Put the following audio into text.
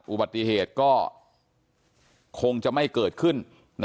อุบัติเหตุก็คงจะไม่เกิดขึ้น